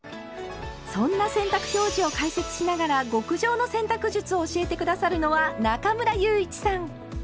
そんな洗濯表示を解説しながら極上の洗濯術を教えて下さるのは中村祐一さん。